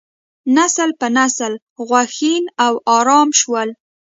نسل په نسل غوښین او ارام شول.